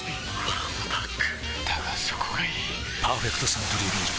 わんぱくだがそこがいい「パーフェクトサントリービール糖質ゼロ」